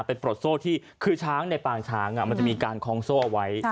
เป็นปลดโซ่ที่คือช้างในปางช้างมันจะมีการคล้องโซ่เอาไว้